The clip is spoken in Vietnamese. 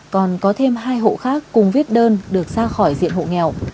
còn có thêm hai hộ khác cùng viết đơn được ra khỏi diện hộ nghèo